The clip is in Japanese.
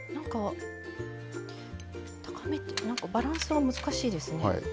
バランスが難しいですね。